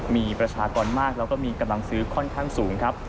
มีประชากรมากแล้วก็มีกำลังซื้อค่อนข้างสูงครับ